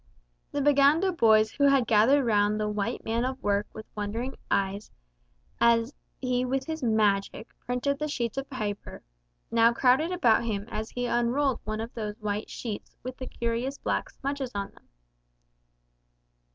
The Baganda boys who had gathered round the White Man of Work with wondering eyes, as he with his "magic" printed the sheets of paper, now crowded about him as he unrolled one of these white sheets with the curious black smudges on them.